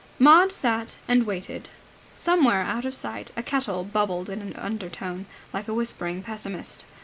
Maud sat and waited. Somewhere out of sight a kettle bubbled in an undertone, like a whispering pessimist.